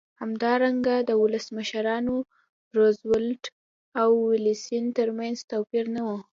همدارنګه د ولسمشرانو روزولټ او ویلسن ترمنځ توپیر نه و.